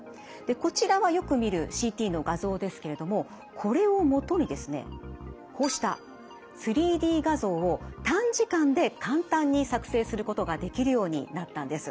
こちらはよく見るＣＴの画像ですけれどもこれを基にですねこうした３Ｄ画像を短時間で簡単に作成することができるようになったんです。